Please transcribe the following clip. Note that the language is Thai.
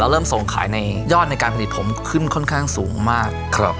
เริ่มส่งขายในยอดในการผลิตผมขึ้นค่อนข้างสูงมาก